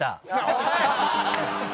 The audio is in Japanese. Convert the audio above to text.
おい！